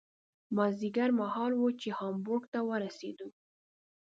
مازدیګر مهال و چې هامبورګ ته ورسېدو.